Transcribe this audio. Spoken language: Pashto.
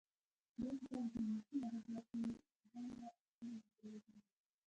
دا کتاب د انګليسي ادبياتو غوره اثر بلل کېږي.